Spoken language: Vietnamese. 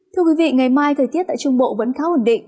thưa quý vị ngày mai thời tiết tại trung bộ vẫn khá ổn định